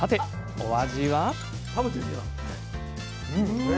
お味は？